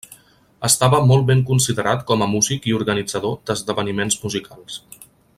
Estava molt ben considerat com a músic i organitzador d'esdeveniments musicals.